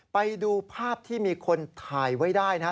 ไปดูภาพที่มีคนถ่ายไว้ได้นะฮะ